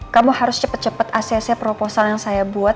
kamu harus cepet cepet asesi proposal yang saya buat